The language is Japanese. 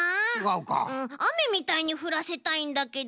うんあめみたいにふらせたいんだけど。